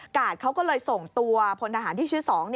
เขาก็เลยส่งตัวพลทหารที่ชื่อ๒